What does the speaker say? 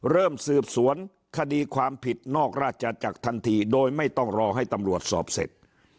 เริ่มสืบสวนคดีความผิดนอกราชจักรทันทีโดยไม่ต้องรอให้ตำรวจสอบเสร็จ